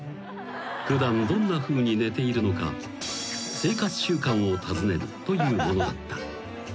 ［普段どんなふうに寝ているのか生活習慣を尋ねるというものだった］